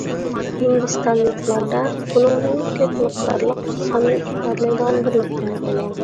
ھىندىستانلىقلاردا بۇنىڭدىنمۇ كۆپ مىقدارلىق ساننى ئىپادىلەيدىغان بىرلىكلەر بولغان.